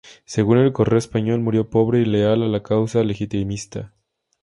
Según "El Correo Español", murió pobre y leal a la causa legitimista.